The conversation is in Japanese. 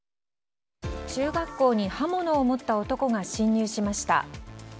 中学校に刃物を持った男が侵入しました。